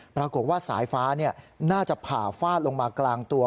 ปรากฏว่าสายฟ้าน่าจะผ่าฟาดลงมากลางตัว